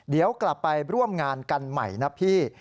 เดี๋ยวกลับไปร่วมงานกันใหม่นะพี่